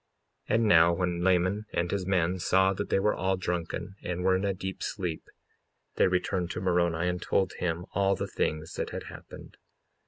55:15 And now when Laman and his men saw that they were all drunken, and were in a deep sleep, they returned to Moroni and told him all the things that had happened.